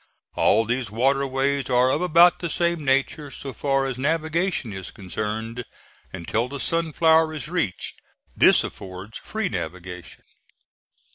All these waterways are of about the same nature so far as navigation is concerned, until the Sunflower is reached; this affords free navigation.